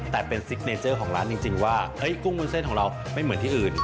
แต่เป็นซิกเนเจอร์ของร้านจริงว่าเฮ้ยกุ้งวุ้นเส้นของเราไม่เหมือนที่อื่น